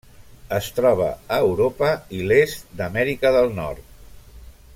Es troba a Europa i l'est d'Amèrica del Nord.